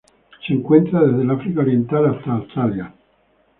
Se encuentra desde el África Oriental hasta Australia.